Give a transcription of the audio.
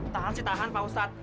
tahan sih tahan pak ustadz